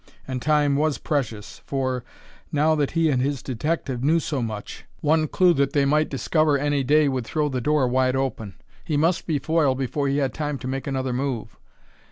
And time was precious, for, now that he and his detective knew so much, one clew that they might discover any day would throw the door wide open. He must be foiled before he had time to make another move.